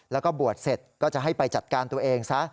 แล้วก็บวชเสร็จก็จะให้ไปจัดการตัวเองซะ